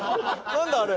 ・何だあれ？